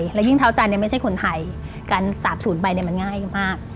เพราะว่าเท้าจันไม่ใช่คนไทยการสับสูญไปมันง่ายมาก